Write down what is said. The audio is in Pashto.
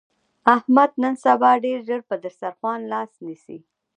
احمد نن سبا ډېر ژر له پر دستاخوان لاس نسي.